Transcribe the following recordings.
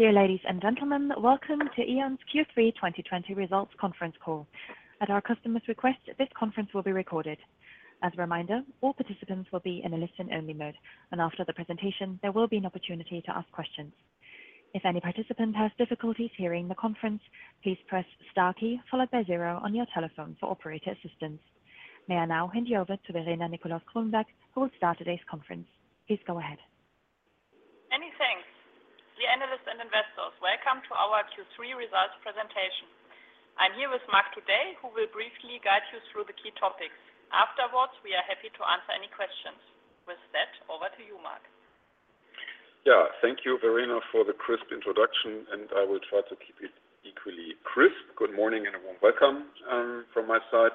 Dear ladies and gentlemen, welcome to E.ON's Q3 2020 results conference call. At our customers' request, this conference will be recorded. As a reminder, all participants will be in a listen-only mode, and after the presentation, there will be an opportunity to ask questions. May I now hand you over to Verena Nicolaus-Kronenberg who will start today's conference. Please go ahead. Many thanks. Dear analysts and investors, welcome to our Q3 results presentation. I'm here with Marc today, who will briefly guide you through the key topics. Afterwards, we are happy to answer any questions. With that, over to you, Marc. Thank you, Verena, for the crisp introduction, and I will try to keep it equally crisp. Good morning and a warm welcome from my side.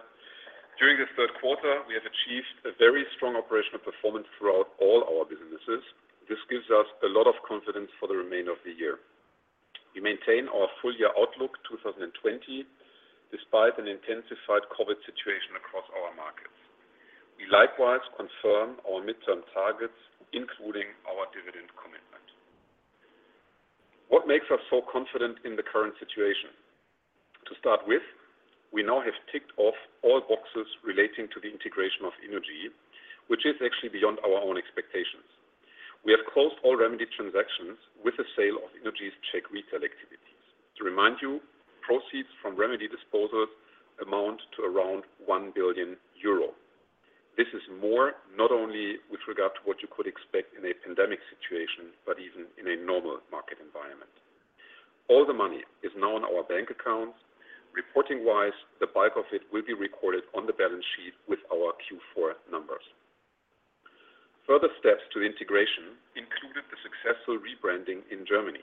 During this third quarter, we have achieved a very strong operational performance throughout all our businesses. This gives us a lot of confidence for the remainder of the year. We maintain our full-year outlook 2020 despite an intensified COVID situation across our markets. We likewise confirm our midterm targets, including our dividend commitment. What makes us so confident in the current situation? To start with, we now have ticked off all boxes relating to the integration of Innogy, which is actually beyond our own expectations. We have closed all remedy transactions with the sale of Innogy's Czech retail activities. To remind you, proceeds from remedy disposals amount to around 1 billion euro. This is more, not only with regard to what you could expect in a pandemic situation, but even in a normal market environment. All the money is now in our bank accounts. Reporting-wise, the bulk of it will be recorded on the balance sheet with our Q4 numbers. Further steps to integration included the successful rebranding in Germany.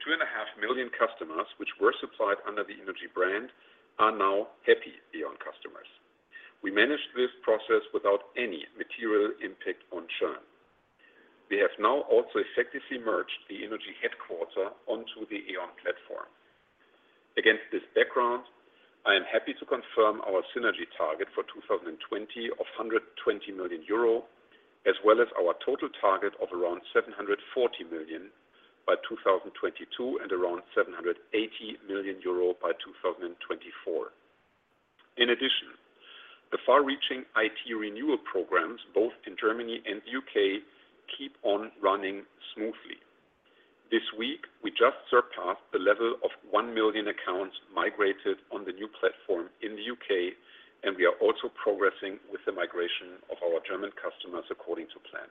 2.5 million customers which were supplied under the Innogy brand are now happy E.ON customers. We managed this process without any material impact on churn. We have now also effectively merged the Innogy headquarter onto the E.ON platform. Against this background, I am happy to confirm our synergy target for 2020 of 120 million euro, as well as our total target of around 740 million by 2022 and around 780 million euro by 2024. In addition, the far-reaching IT renewal programs, both in Germany and the U.K., keep on running smoothly. This week, we just surpassed the level of 1 million accounts migrated on the new platform in the U.K., and we are also progressing with the migration of our German customers according to plan.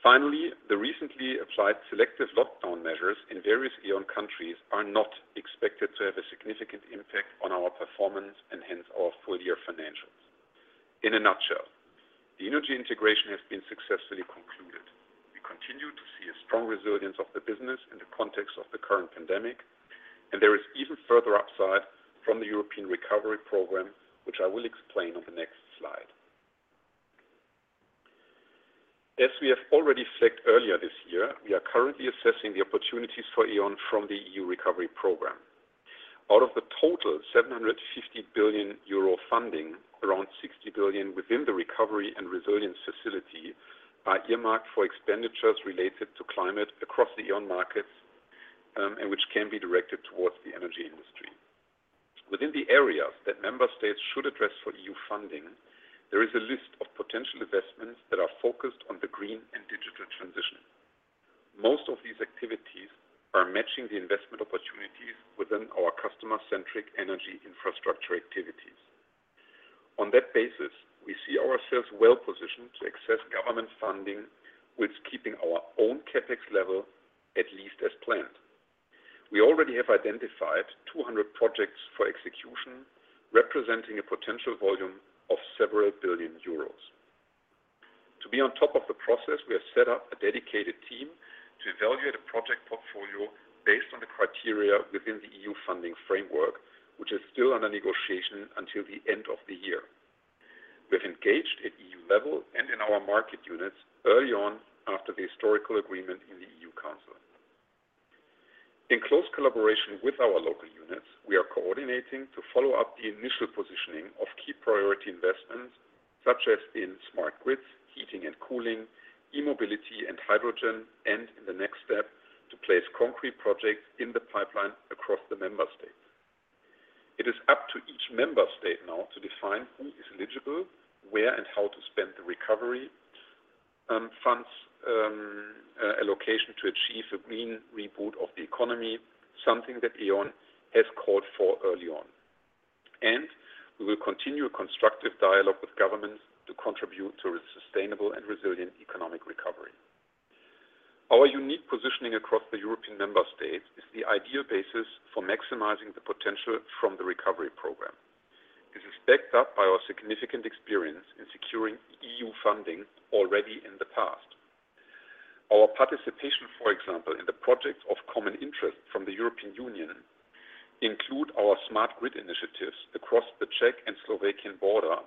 Finally, the recently applied selective lockdown measures in various E.ON countries are not expected to have a significant impact on our performance and hence our full-year financials. In a nutshell, the Innogy integration has been successfully concluded. We continue to see a strong resilience of the business in the context of the current pandemic, and there is even further upside from the European Recovery Program, which I will explain on the next slide. As we have already said earlier this year, we are currently assessing the opportunities for E.ON from the EU Recovery Program. Out of the total 750 billion euro funding, around 60 billion within the Recovery and Resilience Facility are earmarked for expenditures related to climate across the E.ON markets, which can be directed towards the energy industry. Within the areas that member states should address for EU funding, there is a list of potential investments that are focused on the green and digital transition. Most of these activities are matching the investment opportunities within our customer-centric energy infrastructure activities. On that basis, we see ourselves well-positioned to access government funding whilst keeping our own CapEx level at least as planned. We already have identified 200 projects for execution, representing a potential volume of several billion euro. To be on top of the process, we have set up a dedicated team to evaluate a project portfolio based on the criteria within the EU funding framework, which is still under negotiation until the end of the year. We've engaged at EU level and in our market units early on after the historical agreement in the European Council. In close collaboration with our local units, we are coordinating to follow up the initial positioning of key priority investments, such as in smart grids, heating and cooling, e-mobility and hydrogen, and in the next step, to place concrete projects in the pipeline across the member states. It is up to each member state now to define who is eligible, where and how to spend the recovery funds allocation to achieve a green reboot of the economy, something that E.ON has called for early on. We will continue a constructive dialogue with governments to contribute to a sustainable and resilient economic recovery. Our unique positioning across the European member states is the ideal basis for maximizing the potential from the recovery program. This is backed up by our significant experience in securing EU funding already in the past. Our participation, for example, in the Project of Common Interest from the European Union include our smart grid initiatives across the Czech and Slovakian border,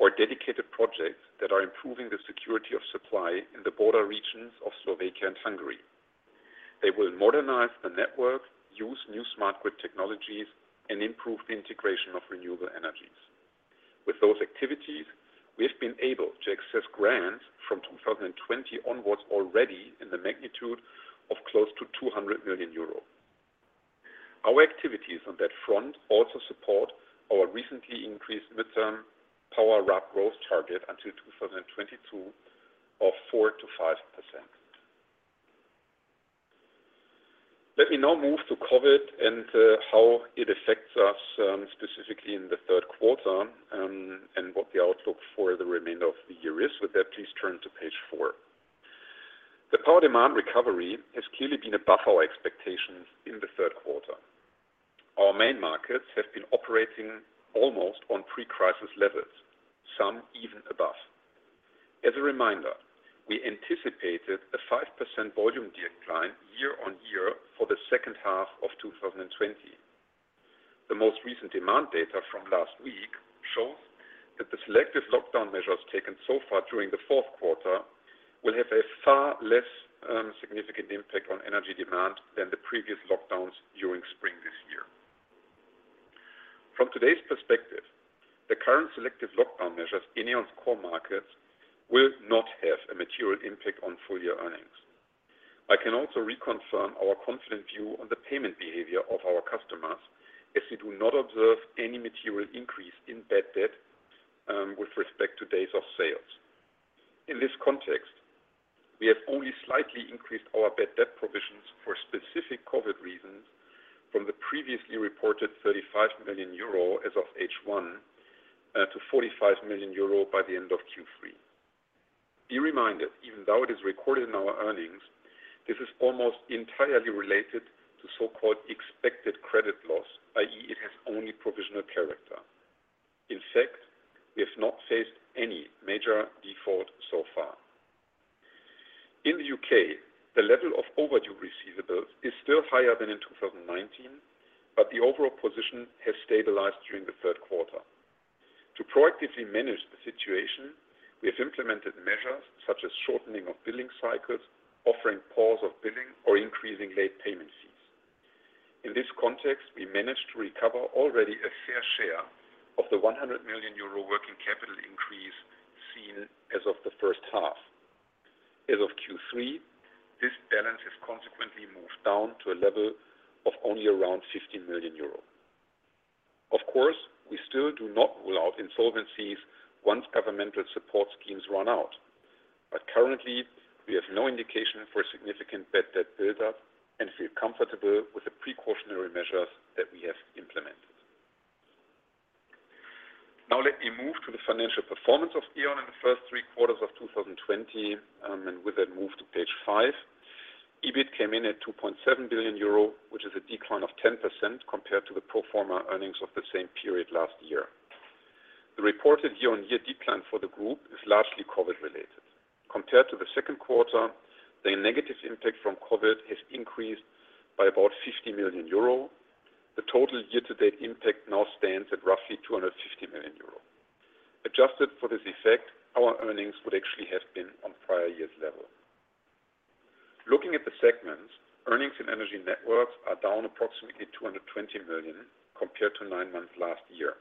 or dedicated projects that are improving the security of supply in the border regions of Slovakia and Hungary. They will modernize the network, use new smart grid technologies, and improve the integration of renewable energies. With those activities, we have been able to access grants from 2020 onwards already in the magnitude of close to 200 million euro. Our activities on that front also support our recently increased midterm power RAB growth target until 2022 of 4%-5%. Let me now move to COVID and how it affects us, specifically in the third quarter, and what the outlook for the remainder of the year is. With that, please turn to Page four. The power demand recovery has clearly been above our expectations in the third quarter. Our main markets have been operating almost on pre-crisis levels, some even above. As a reminder, we anticipated a 5% volume decline year-on-year for the second half of 2020. The most recent demand data from last week shows that the selective lockdown measures taken so far during the fourth quarter will have a far less significant impact on energy demand than the previous lockdowns during spring this year. From today's perspective, the current selective lockdown measures in E.ON's core markets will not have a material impact on full-year earnings. I can also reconfirm our confident view on the payment behavior of our customers, as we do not observe any material increase in bad debt with respect to days of sales. In this context, we have only slightly increased our bad debt provisions for specific COVID reasons from the previously reported 35 million euro as of H1 to 45 million euro by the end of Q3. Be reminded, even though it is recorded in our earnings, this is almost entirely related to so-called expected credit loss, i.e., it has only provisional character. In fact, we have not faced any major default so far. In the U.K., the level of overdue receivables is still higher than in 2019, but the overall position has stabilized during the third quarter. To proactively manage the situation, we have implemented measures such as shortening of billing cycles, offering pause of billing, or increasing late payment fees. In this context, we managed to recover already a fair share of the 100 million euro working capital increase seen as of the first half. As of Q3, this balance has consequently moved down to a level of only around 50 million euros. Of course, we still do not rule out insolvencies once governmental support schemes run out. Currently, we have no indication for a significant bad debt buildup and feel comfortable with the precautionary measures that we have implemented. Now let me move to the financial performance of E.ON in the first three quarters of 2020, and with that, move to Page five. EBIT came in at 2.7 billion euro, which is a decline of 10% compared to the pro forma earnings of the same period last year. The reported year-on-year decline for the group is largely COVID-related. Compared to the second quarter, the negative impact from COVID has increased by about 50 million euro. The total year-to-date impact now stands at roughly 250 million euro. Adjusted for this effect, our earnings would actually have been on prior year's level. Looking at the segments, earnings in energy networks are down approximately 220 million compared to nine months last year.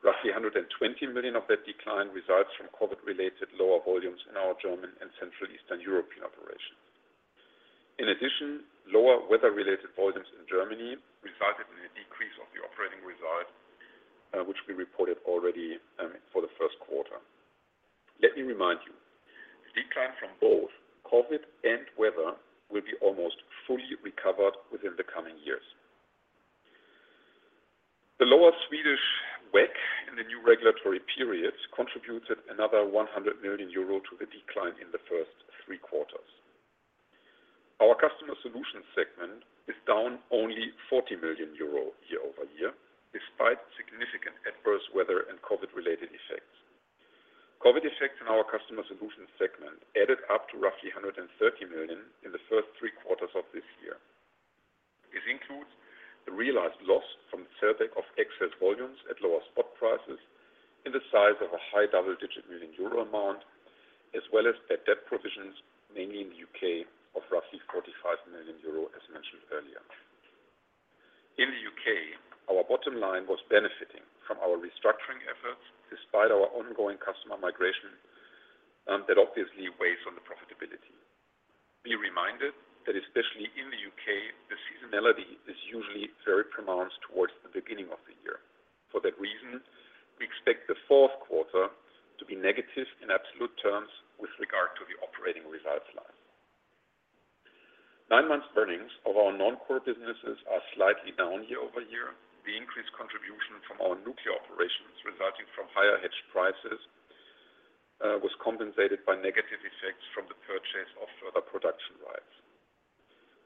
Roughly 120 million of that decline results from COVID-related lower volumes in our German and Central Eastern European operations. In addition, lower weather-related volumes in Germany resulted in a decrease of the operating result, which we reported already for the first quarter. Let me remind you, the decline from both COVID and weather will be almost fully recovered within the coming years. The lower Swedish WACC in the new regulatory periods contributed another 100 million euro to the decline in the first three quarters. Our customer solutions segment is down only 40 million euro year-over-year, despite significant adverse weather and COVID-related effects. COVID effects in our customer solutions segment added up to roughly 130 million in the first three quarters of this year. This includes the realized loss from the sellback of excess volumes at lower spot prices in the size of a high double-digit million EUR amount, as well as bad debt provisions, mainly in the U.K., of roughly 45 million euro, as mentioned earlier. In the U.K., our bottom line was benefiting from our restructuring efforts, despite our ongoing customer migration that obviously weighs on the profitability. Be reminded that, especially in the U.K., the seasonality is usually very pronounced towards the beginning of the year. For that reason, we expect the fourth quarter to be negative in absolute terms with regard to the operating results line. Nine months earnings of our non-core businesses are slightly down year-over-year. The increased contribution from our nuclear operations resulting from higher hedged prices was compensated by negative effects from the purchase of further production rights.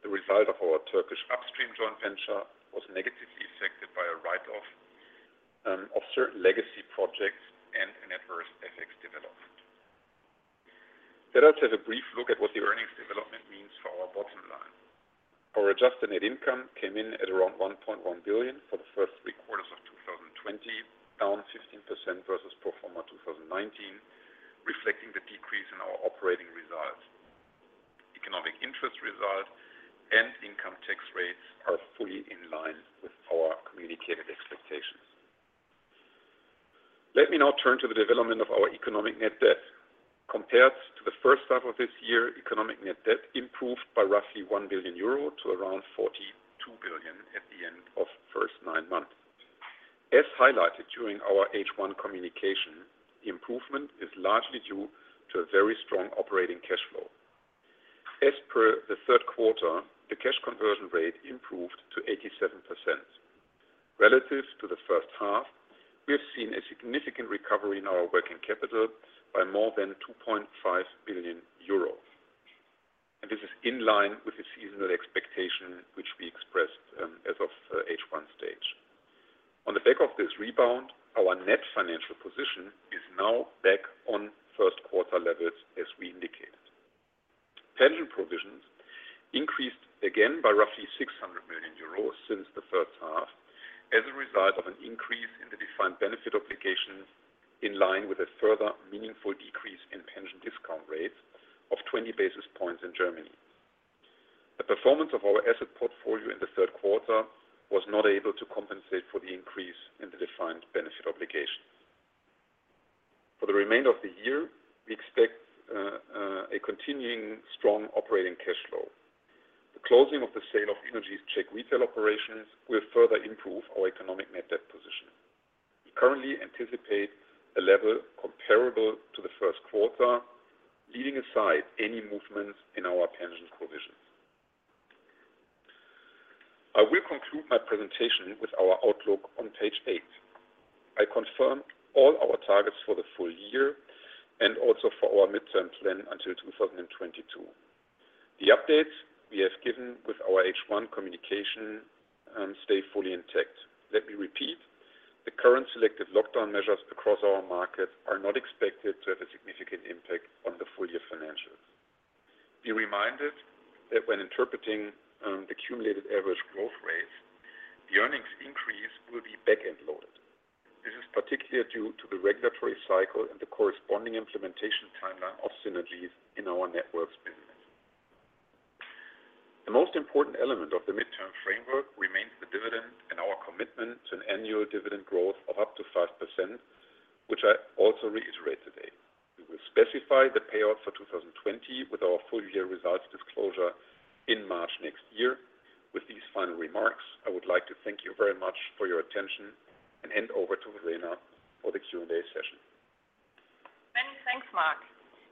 The result of our Turkish upstream joint venture was negatively affected by a write-off of certain legacy projects. Let us have a brief look at what the earnings development means for our bottom line. Our adjusted net income came in at around 1.1 billion for the first three quarters of 2020, down 15% versus pro forma 2019, reflecting the decrease in our operating results. Economic interest results and income tax rates are fully in line with our communicated expectations. Let me now turn to the development of our economic net debt. Compared to the first half of this year, economic net debt improved by roughly 1 billion euro to around 42 billion at the end of the first nine months. As highlighted during our H1 communication, the improvement is largely due to a very strong operating cash flow. As per the third quarter, the cash conversion rate improved to 87%. Relative to the first half, we have seen a significant recovery in our working capital by more than 2.5 billion euros. This is in line with the seasonal expectation, which we expressed as of H1 stage. On the back of this rebound, our net financial position is now back on first quarter levels, as we indicated. Pension provisions increased again by roughly 600 million euros since the first half as a result of an increase in the defined benefit obligations in line with a further meaningful decrease in pension discount rates of 20 basis points in Germany. The performance of our asset portfolio in the third quarter was not able to compensate for the increase in the defined benefit obligations. For the remainder of the year, we expect a continuing strong operating cash flow. The closing of the sale of Innogy's Czech retail operations will further improve our economic net debt position. We currently anticipate a level comparable to the first quarter, leaving aside any movements in our pension provisions. I will conclude my presentation with our outlook on Page eight. I confirm all our targets for the full year and also for our midterm plan until 2022. The updates we have given with our H1 communication stay fully intact. Let me repeat, the current selected lockdown measures across our markets are not expected to have a significant impact on the full-year financials. Be reminded that when interpreting the cumulative average growth rates, the earnings increase will be back-end loaded. This is particularly due to the regulatory cycle and the corresponding implementation timeline of synergies in our networks business. The most important element of the mid-term framework remains the dividend and our commitment to an annual dividend growth of up to 5%, which I also reiterate today. We will specify the payout for 2020 with our full-year results disclosure in March next year. With these final remarks, I would like to thank you very much for your attention and hand over to Verena for the Q&A session. Many thanks, Marc.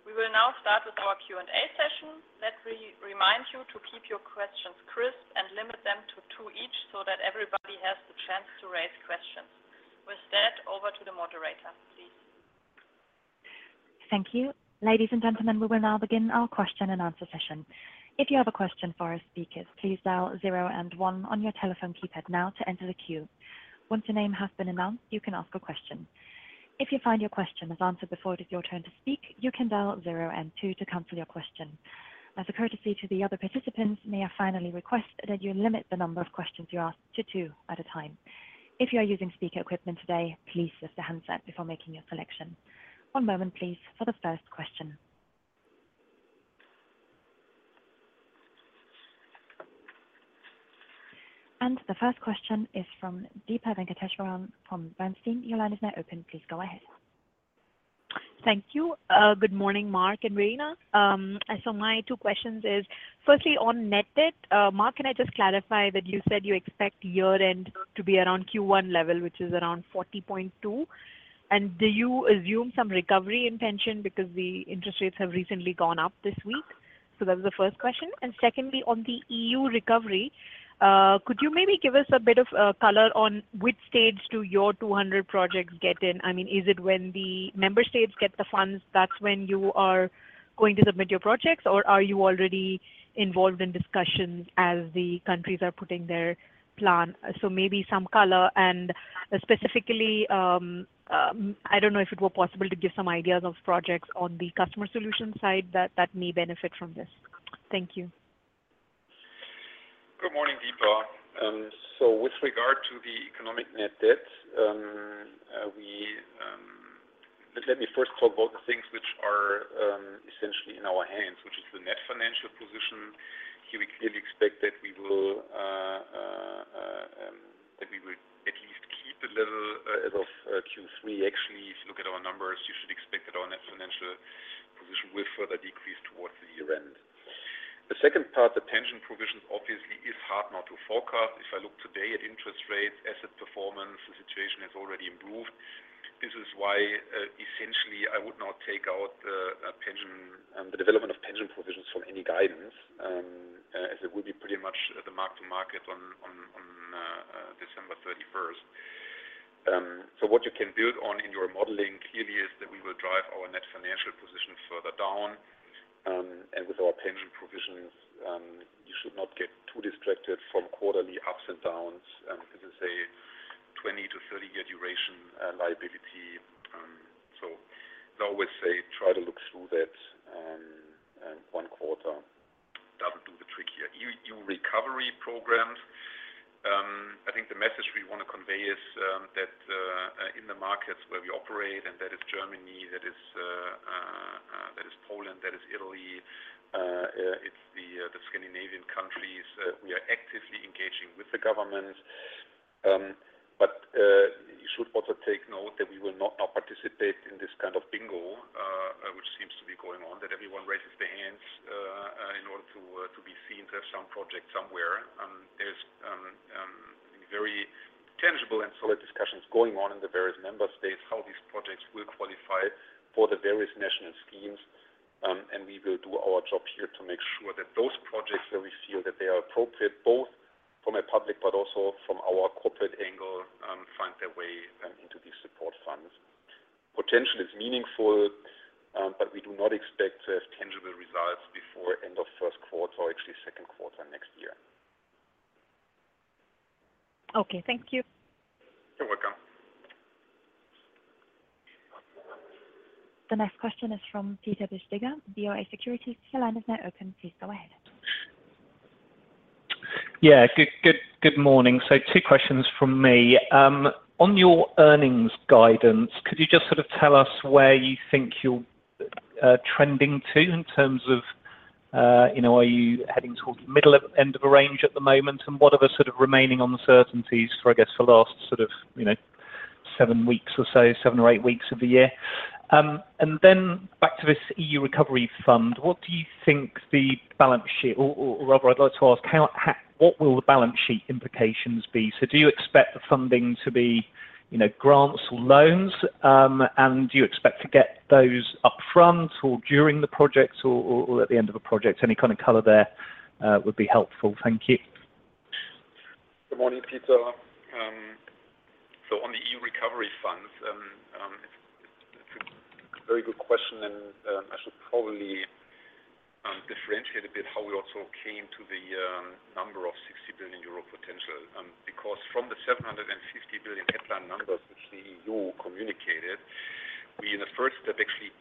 We will now start with our Q&A session. Let me remind you to keep your questions crisp and limit them to two each so that everybody has the chance to raise questions. With that, over to the moderator, please. Thank you. Ladies and gentlemen, we will now begin our question-and-answer session. If you have a question for our speakers, please dial zero and one on your telephone keypad now to enter the queue. Once your name has been announced, you can ask a question. If you find your question is answered before it is your turn to speak, you can dial zero and two to cancel your question. As a courtesy to the other participants, may I finally request that you limit the number of questions you ask to two at a time. If you are using speaker equipment today, please mute the handset before making your selection. One moment please for the first question. The first question is from Deepa Venkateswaran from Bernstein. Your line is now open. Please go ahead. Thank you. Good morning, Marc and Verena. My two questions is, firstly on net debt. Marc, can I just clarify that you said you expect year-end to be around Q1 level, which is around 40.2? Do you assume some recovery in pension because the interest rates have recently gone up this week? That was the first question. Secondly, on the EU recovery, could you maybe give us a bit of color on which stage do your 200 projects get in? Is it when the member states get the funds, that's when you are going to submit your projects? Are you already involved in discussions as the countries are putting their plan? Maybe some color and specifically, I don't know if it were possible to give some ideas of projects on the Customer Solutions side that may benefit from this. Thank you. Good morning, Deepa. With regard to the economic net debt, let me first talk about the things which are essentially in our hands, which is the net financial position. Here, we clearly expect that we will at least keep the level as of Q3. Actually, if you look at our numbers, you should expect that our net financial position will further decrease towards the year-end. The second part, the pension provisions, obviously is hard now to forecast. If I look today at interest rates, asset performance, the situation has already improved. This is why, essentially, I would not take out the development of pension provisions from any guidance, as it will be pretty much the mark to market on December 31st. What you can build on in your modeling clearly is that we will drive our net financial position further down. With our pension provisions. Quarterly ups and downs. This is a 20-30-year duration liability. I always say try to look through that, and one quarter doesn't do the trick here. EU recovery programs. I think the message we want to convey is that in the markets where we operate, and that is Germany, that is Poland, that is Italy, it's the Scandinavian countries, we are actively engaging with the government. You should also take note that we will not now participate in this kind of bingo, which seems to be going on, that everyone raises their hands in order to be seen to have some project somewhere. There's very tangible and solid discussions going on in the various member states, how these projects will qualify for the various national schemes. We will do our job here to make sure that those projects where we feel that they are appropriate, both from a public but also from our corporate angle, find their way into these support funds. Potential is meaningful, but we do not expect to have tangible results before end of first quarter or actually second quarter next year. Okay. Thank you. You're welcome. The next question is from Peter Bisztyga, BofA Securities. Your line is now open. Please go ahead. Good morning. Two questions from me. On your earnings guidance, could you just sort of tell us where you think you're trending to in terms of, are you heading towards the middle end of a range at the moment? What are the sort of remaining uncertainties for, I guess, the last seven weeks or so, seven or eight weeks of the year? Back to this EU recovery fund, or rather, I'd like to ask, what will the balance sheet implications be? Do you expect the funding to be grants or loans? Do you expect to get those upfront or during the projects or at the end of a project? Any kind of color there would be helpful. Thank you. Good morning, Peter. On the EU Recovery Funds, it's a very good question, and I should probably differentiate a bit how we also came to the number of 60 billion euro potential. Because from the 750 billion head plan numbers which the EU communicated, we in the first step actually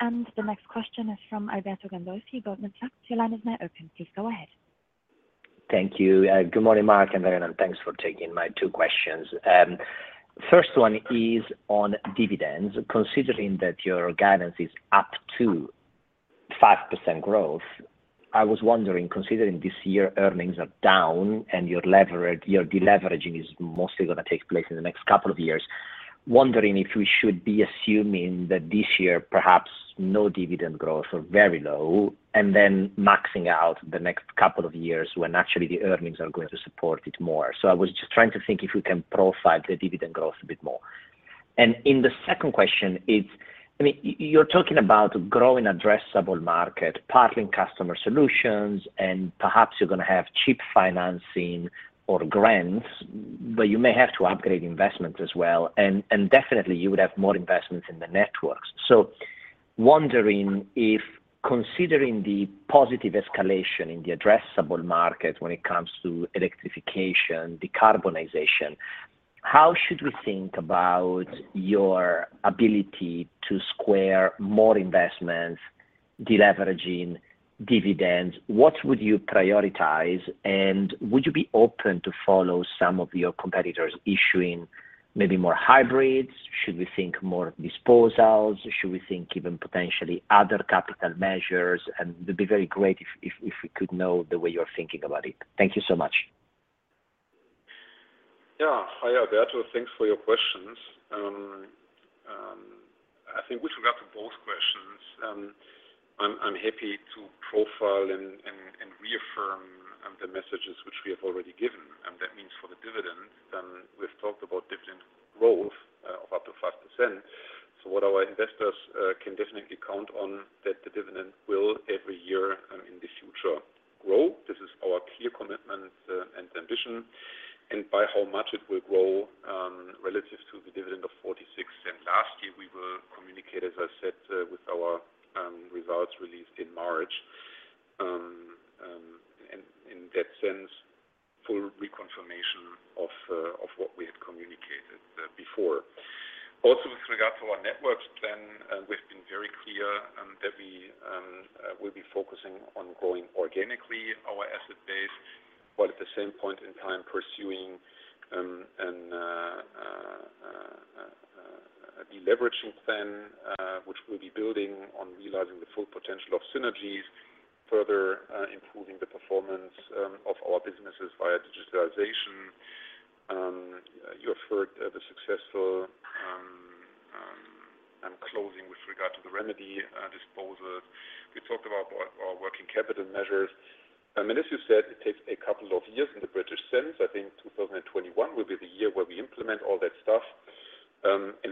The next question is from Alberto Gandolfi, Goldman Sachs. Your line is now open. Please go ahead. Thank you. Good morning, Marc and Verena. Thanks for taking my two questions. First one is on dividends. Considering that your guidance is up to 5% growth, I was wondering, considering this year earnings are down and your deleveraging is mostly going to take place in the next couple of years, wondering if we should be assuming that this year, perhaps no dividend growth or very low, and then maxing out the next couple of years when actually the earnings are going to support it more. I was just trying to think if you can profile the dividend growth a bit more. In the second question is, you're talking about growing addressable market, partnering customer solutions, and perhaps you're going to have cheap financing or grants, but you may have to upgrade investments as well, and definitely you would have more investments in the networks. Wondering if, considering the positive escalation in the addressable market when it comes to electrification, decarbonization, how should we think about your ability to square more investments, deleveraging dividends? What would you prioritize? Would you be open to follow some of your competitors issuing maybe more hybrids? Should we think more disposals? Should we think even potentially other capital measures? It'd be very great if we could know the way you're thinking about it. Thank you so much. Yeah. Hi Alberto Gandolfi, thanks for your questions. I think with regard to both questions, I'm happy to profile and reaffirm the messages which we have already given. That means for the dividend, we've talked about dividend growth of up to 5%. So what our investors can definitely count on, that the dividend will every year in the future grow. This is our clear commitment and ambition. By how much it will grow, relative to the dividend of 0.46 and last year we will communicate, as I said, with our results released in March. In that sense, full reconfirmation of what we had communicated before. Also with regard to our networks plan, we've been very clear that we will be focusing on growing organically our asset base, but at the same point in time pursuing a deleveraging plan, which we'll be building on realizing the full potential of synergies, further improving the performance of our businesses via digitization. You have heard the successful closing with regard to the remedy disposals. We talked about our working capital measures. As you said, it takes a couple of years in the British sense. I think 2021 will be the year where we implement all that stuff.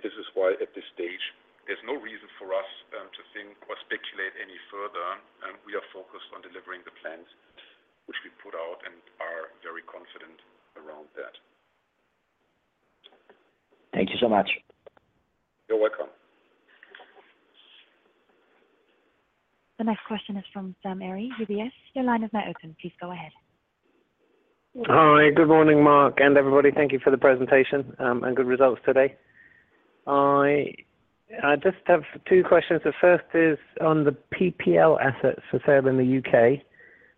This is why at this stage, there's no reason for us to think or speculate any further. We are focused on delivering the plans which we put out and are very confident around that. Thank you so much. You're welcome. The next question is from Sam Arie, UBS. Your line is now open. Please go ahead. Hi. Good morning, Marc and everybody. Thank you for the presentation, and good results today. I just have two questions. The first is on the PPL assets for sale in the U.K.,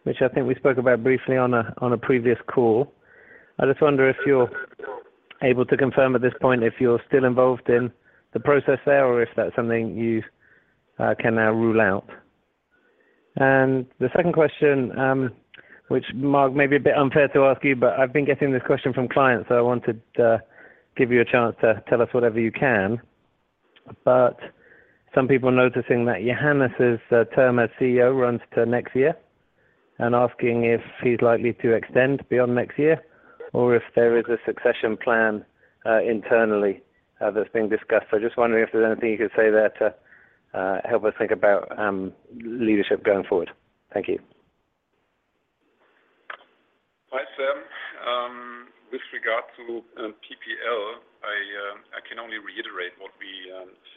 which I think we spoke about briefly on a previous call. I just wonder if you're able to confirm at this point if you're still involved in the process there or if that's something you can now rule out. The second question, which Marc may be a bit unfair to ask you, but I've been getting this question from clients, so I want to give you a chance to tell us whatever you can. Some people are noticing that Johannes's term as CEO runs to next year and asking if he's likely to extend beyond next year or if there is a succession plan internally that's being discussed. I'm just wondering if there's anything you could say there to help us think about leadership going forward. Thank you. Hi, Sam. With regard to PPL, I can only reiterate what we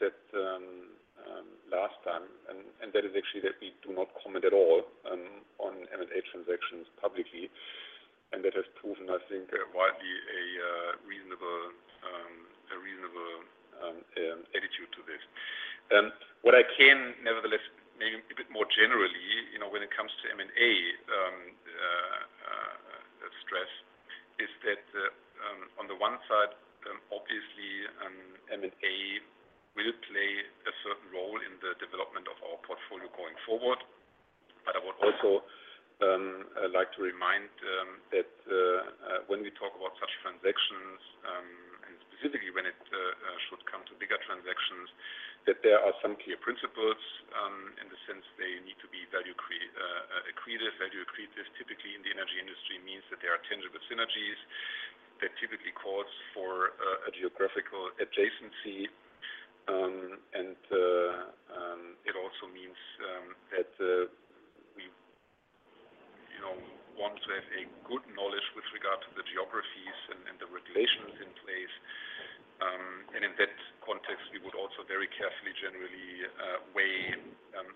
said last time, and that is actually that we do not comment at all on M&A transactions publicly. That has proven, I think, widely a reasonable attitude to this. What I can, nevertheless, maybe a bit more generally when it comes to M&A stress is that, on the one side, obviously, M&A will play a certain role in the development of our portfolio going forward. I would also like to remind that when we talk about such transactions, and specifically when it should come to bigger transactions, that there are some clear principles, in the sense they need to be accretive. Value accretive typically in the energy industry means that there are tangible synergies that typically calls for a geographical adjacency. It also means that we want to have a good knowledge with regard to the geographies and the regulations in place. In that context, we would also very carefully generally weigh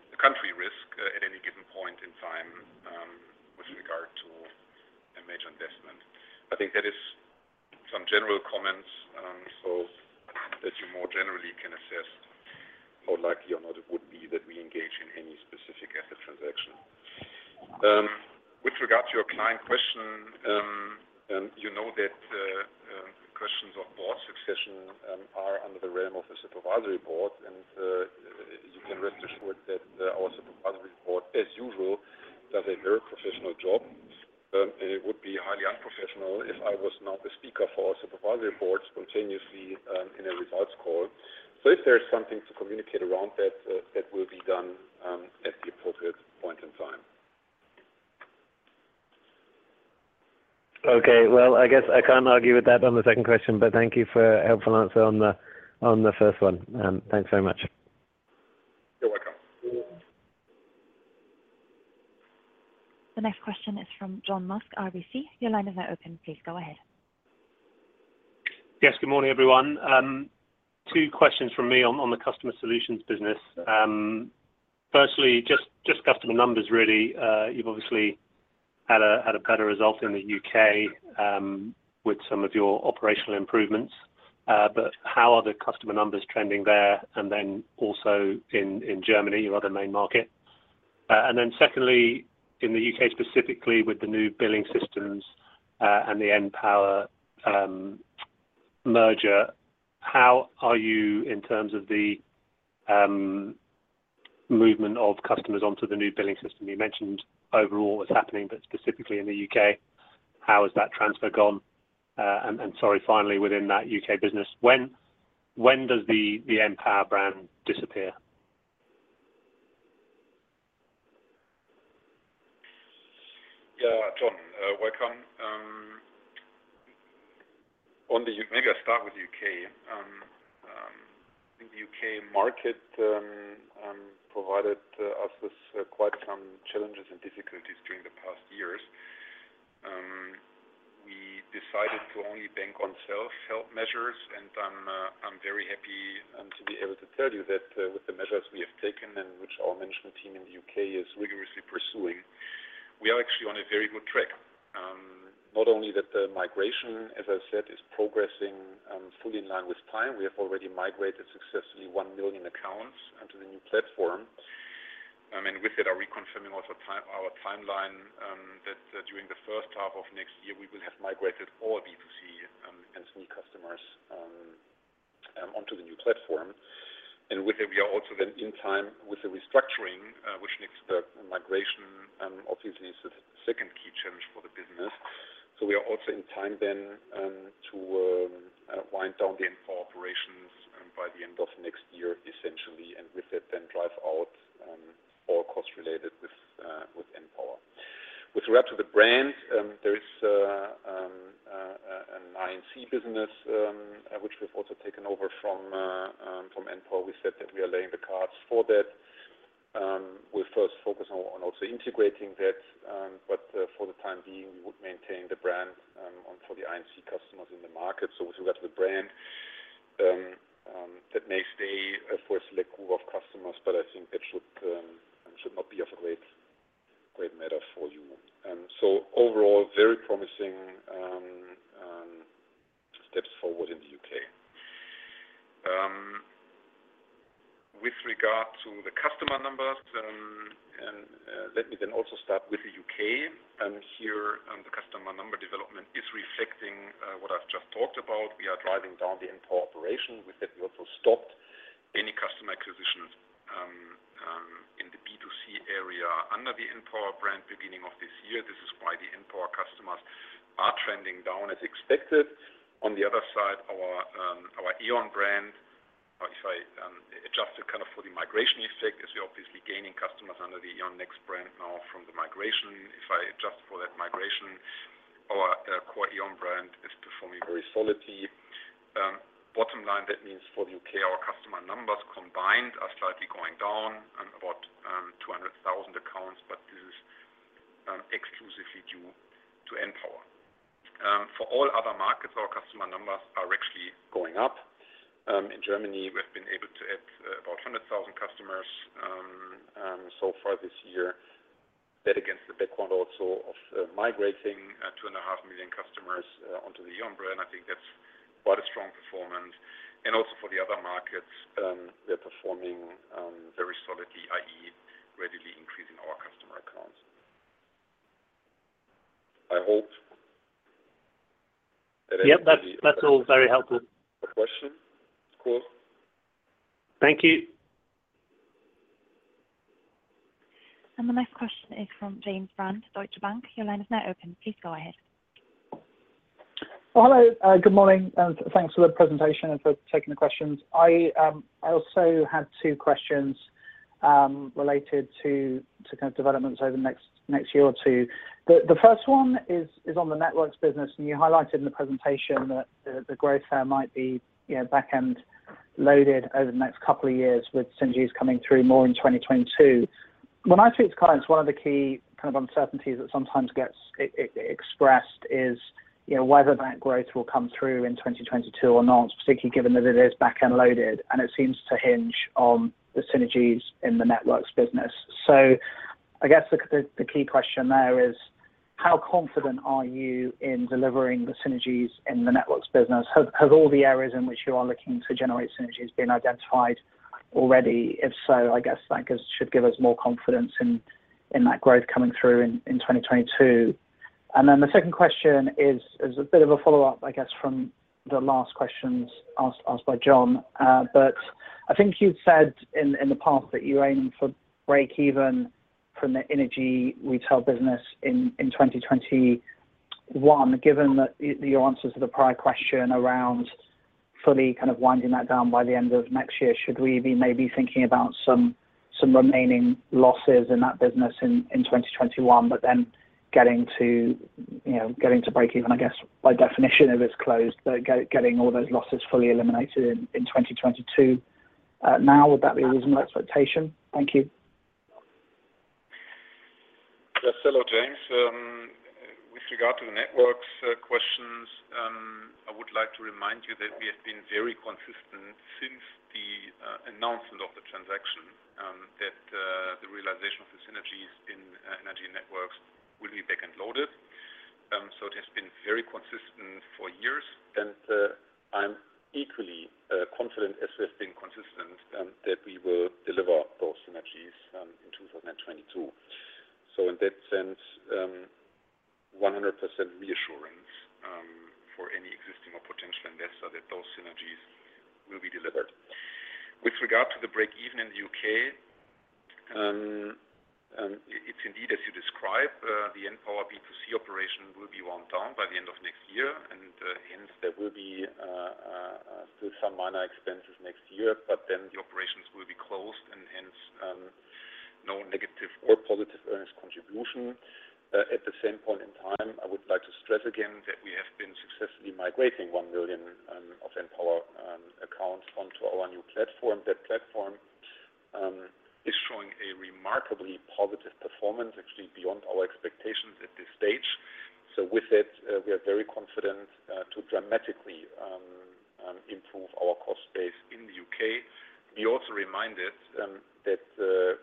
the country risk at any given point in time with regard to a major investment. I think that is some general comments so that you more generally can assess how likely or not it would be that we engage in any specific asset transaction. With regard to your client question, you know that questions of board succession are under the realm of the supervisory board, and you can rest assured that our supervisory board, as usual, does a very professional job. It would be highly unprofessional if I was not the speaker for our supervisory board spontaneously in a results call. If there's something to communicate around that will be done at the appropriate point in time. Okay. Well, I guess I can't argue with that on the second question, but thank you for a helpful answer on the first one. Thanks very much. You're welcome. The next question is from John Musk, RBC. Your line is now open. Please go ahead. Yes. Good morning, everyone. Two questions from me on the customer solutions business. Firstly, just customer numbers really. You've obviously had a better result in the U.K. with some of your operational improvements. How are the customer numbers trending there, and then also in Germany, your other main market? Secondly, in the U.K. specifically with the new billing systems, and the Npower merger, how are you in terms of the movement of customers onto the new billing system? You mentioned overall what's happening, but specifically in the U.K., how has that transfer gone? Sorry, finally, within that U.K. business, when does the Npower brand disappear? Yeah, John. Welcome. Maybe I start with U.K. The U.K. market provided us with quite some challenges and difficulties during the past years. We decided to only bank on self-help measures, I'm very happy to be able to tell you that with the measures we have taken, and which our management team in the U.K. is rigorously pursuing, we are actually on a very good track. Not only that the migration, as I said, is progressing fully in line with time. We have already migrated successfully 1 million accounts onto the new platform. With it, are reconfirming also our timeline, that during the first half of next year, we will have migrated all B2C and small customers onto the new platform. With that, we are also then in time with the restructuring, which makes the migration obviously is the second key challenge for the business. We are also in time then to wind down the Npower operations by the end of next year, essentially, and with it then drive out all costs related with Npower. With regard to the brand, there is an I&C business, which we've also taken over from Npower. We said that we are laying the cards for that. We'll first focus on also integrating that, but for the time being, we would maintain the brand for the I&C customers in the market. With regard to the brand, that may stay for a select group of customers, but I think that should not be of a great matter for you. Overall, very promising steps forward in the U.K. With regard to the customer numbers, let me then also start with the U.K. Here, the customer number development is reflecting what I've just talked about. We are driving down the Npower operation. With that, we also stopped any customer acquisitions in the B2C area under the Npower brand beginning of this year. This is why the Npower customers are trending down as expected. On the other side, our E.ON brand, if I adjust it for the migration effect, as we're obviously gaining customers under the E.ON Next brand now from the migration. If I adjust for that migration, our core E.ON brand is performing very solidly. Bottom line, that means for the U.K., our customer numbers combined are slightly going down, about 200,000 accounts. This is exclusively due to Npower. For all other markets, our customer numbers are actually going up. In Germany, we have been able to add about 100,000 customers so far this year. That against the background also of migrating two and a half million customers onto the E.ON brand. I think that's quite a strong performance. Also for the other markets, they're performing very solidly, i.e. readily increasing our customer accounts. Yep. That's all very helpful the question. Of course. Thank you. The next question is from James Brand, Deutsche Bank. Your line is now open. Please go ahead. Well, hello. Good morning, and thanks for the presentation and for taking the questions. I also had two questions related to developments over the next year or two. The first one is on the networks business, and you highlighted in the presentation that the growth there might be back-end loaded over the next couple of years with synergies coming through more in 2022. When I speak to clients, one of the key uncertainties that sometimes gets expressed is whether that growth will come through in 2022 or not, particularly given that it is back-end loaded, and it seems to hinge on the synergies in the networks business. I guess the key question there is how confident are you in delivering the synergies in the networks business? Have all the areas in which you are looking to generate synergies been identified already? If so, I guess that should give us more confidence in that growth coming through in 2022. The second question is a bit of a follow-up, I guess, from the last questions asked by John. I think you've said in the past that you're aiming for break even from the energy retail business in 2021. Given your answer to the prior question around fully winding that down by the end of next year, should we be maybe thinking about some remaining losses in that business in 2021, but then getting to break even, I guess, by definition, if it's closed, though, getting all those losses fully eliminated in 2022 now? Would that be a reasonable expectation? Thank you. Yes. Hello, James. With regard to the energy networks questions, I would like to remind you that we have been very consistent since the announcement of the transaction, that the realization of the synergies in energy networks will be back-end loaded. It has been very consistent for years, and I'm equally confident as we have been consistent that we will deliver those synergies. In that sense, 100% reassurance for any existing or potential investor that those synergies will be delivered. With regard to the break even in the U.K., it's indeed as you describe, the Npower B2C operation will be wound down by the end of next year. Hence there will be still some minor expenses next year. Then the operations will be closed. Hence, no negative or positive earnings contribution. At the same point in time, I would like to stress again that we have been successfully migrating 1 million of Npower accounts onto our new platform. That platform is showing a remarkably positive performance, actually beyond our expectations at this stage. With it, we are very confident to dramatically improve our cost base in the U.K. Be also reminded that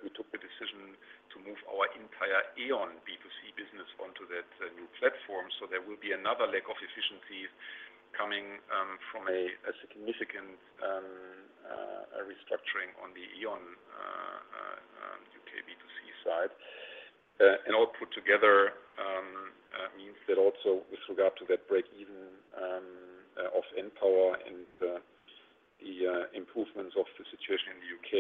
we took the decision to move our entire E.ON B2C business onto that new platform, so there will be another leg of efficiencies coming from a significant restructuring on the E.ON U.K. B2C side. All put together means that also with regard to that break even of Npower and the improvements of the situation in the U.K.,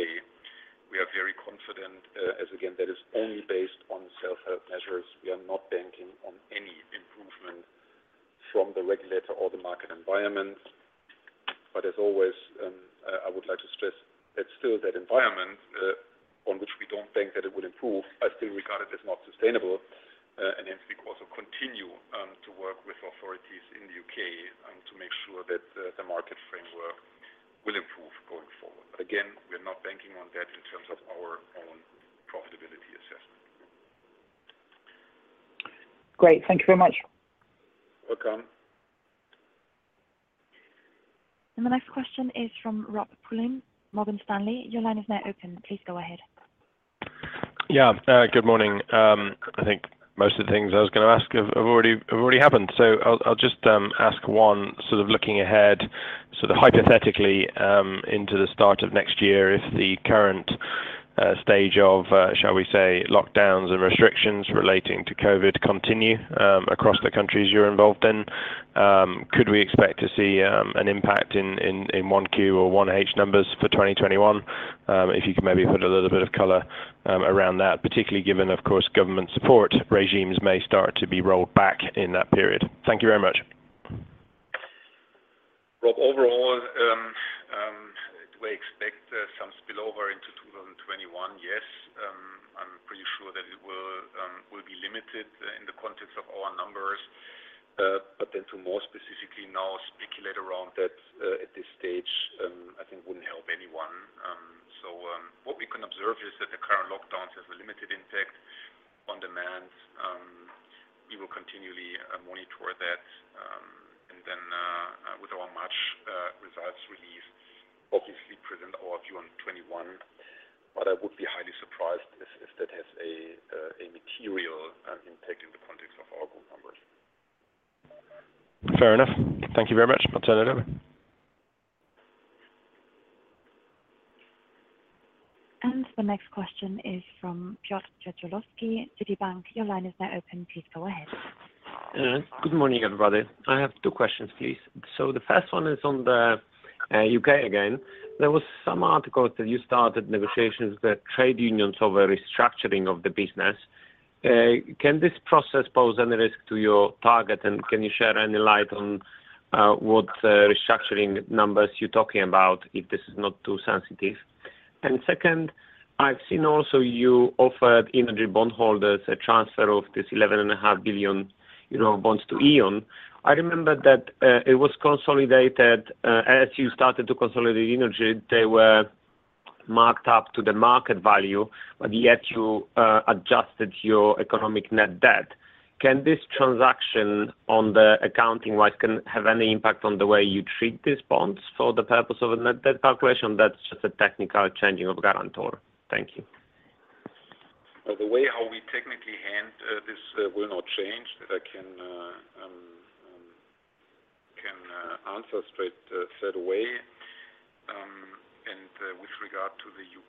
we are very confident. Again, that is only based on self-help measures. We are not banking on any improvement from the regulator or the market environment. As always, I would like to stress that still that environment, on which we don't think that it will improve, I still regard it as not sustainable. Hence, we also continue to work with authorities in the U.K. to make sure that the market framework will improve going forward. Again, we are not banking on that in terms of our own profitability assessment. Great. Thank you very much. Welcome. The next question is from Rob Pulleyn, Morgan Stanley. Your line is now open. Please go ahead. Yeah, good morning. I think most of the things I was going to ask have already happened. I'll just ask one, sort of looking ahead, hypothetically, into the start of next year, if the current stage of, shall we say, lockdowns and restrictions relating to COVID continue across the countries you're involved in, could we expect to see an impact in 1Q or 1H numbers for 2021? If you could maybe put a little bit of color around that, particularly given, of course, government support regimes may start to be rolled back in that period. Thank you very much. Rob, overall, do we expect some spillover into 2021? Yes. I'm pretty sure that it will be limited in the context of our numbers. To more specifically now speculate around that at this stage, I think wouldn't help anyone. What we can observe is that the current lockdowns have a limited impact on demand. We will continually monitor that. With our March results release, obviously present our view on 2021. I would be highly surprised if that has a material impact in the context of our group numbers. Fair enough. Thank you very much. I'll turn it over. The next question is from Piotr Dzięciołowski, Citibank. Your line is now open. Please go ahead. Good morning, everybody. I have two questions, please. The first one is on the U.K. again. There was some articles that you started negotiations with trade unions over restructuring of the business. Can this process pose any risk to your target, and can you shed any light on what restructuring numbers you're talking about, if this is not too sensitive? Second, I've seen also you offered Innogy bondholders a transfer of this 11.5 billion euro bonds to E.ON. I remember that it was consolidated. As you started to consolidate Innogy, they were marked up to the market value, but yet you adjusted your economic net debt. Can this transaction, on the accounting side, have any impact on the way you treat these bonds for the purpose of a net debt calculation that's just a technical changing of guarantor? Thank you. The way how we technically hand this will not change. That I can answer straight away. With regard to the U.K.,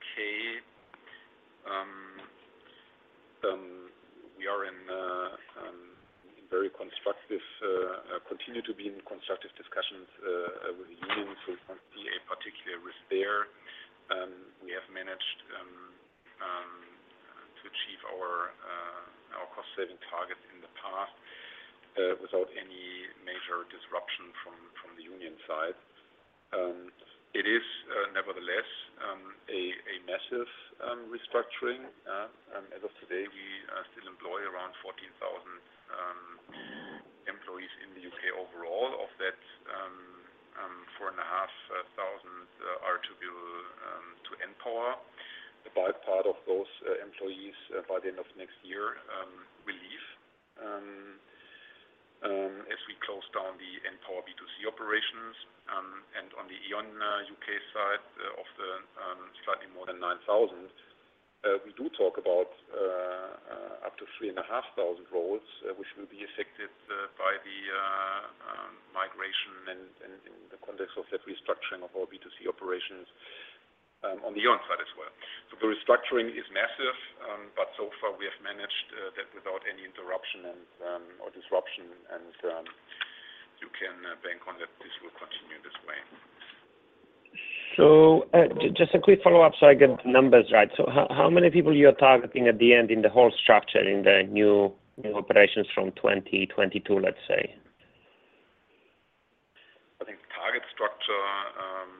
we continue to be in constructive discussions with the union, so we don't see a particular risk there. We have managed to achieve our cost-saving targets in the past without any major disruption from the union side. It is, nevertheless, a massive restructuring. As of today, we still employ around 14,000 employees in the U.K. overall. Of that, 4,500 are to Npower. The bad part of those employees, by the end of next year, will leave as we close down the Npower B2C operations. On the E.ON U.K. side, of the slightly more than 9,000, we do talk about up to 3,500 roles which will be affected by the migration and in the context of that restructuring of our B2C operations on the E.ON side as well. The restructuring is massive, but so far we have managed that without any interruption or disruption, and you can bank on that this will continue this way. Just a quick follow-up so I get the numbers right. How many people you are targeting at the end in the whole structure in the new operations from 2022, let's say? I think target structure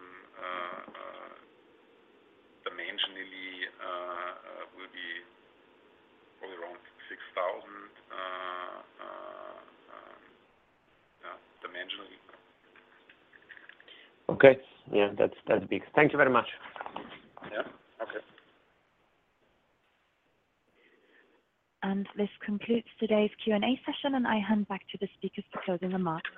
dimensionally will be probably around 6,000. Okay. Yeah, that's big. Thank you very much. Yeah. Okay. This concludes today's Q&A session, and I hand back to the speakers for closing remarks.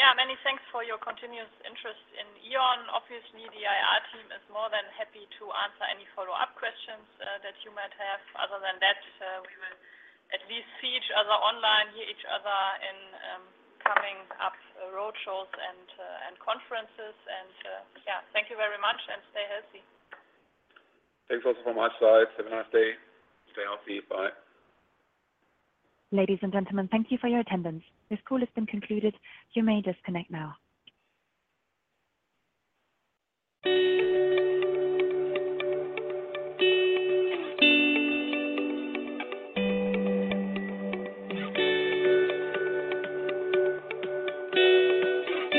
Yeah, many thanks for your continuous interest in E.ON. Obviously, the IR team is more than happy to answer any follow-up questions that you might have. Other than that, we will at least see each other online, hear each other in coming up roadshows and conferences. Yeah, thank you very much, and stay healthy. Thanks also from my side. Have a nice day. Stay healthy. Bye. Ladies and gentlemen, thank you for your attendance. This call has been concluded. You may disconnect now.